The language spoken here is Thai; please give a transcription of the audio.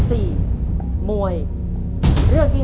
ขอบคุณครับ